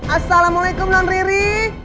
assalamualaikum non riri